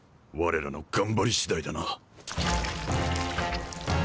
われらの頑張りしだいだな。